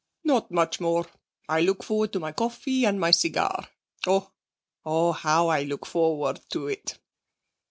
'Not much more. I look forward to my coffee and my cigar. Oh, how I look forward to it!'